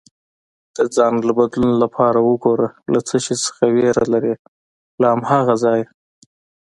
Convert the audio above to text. د ځان له بدلون لپاره وګوره له څه شي څخه ویره لرې، له هماغه ځایه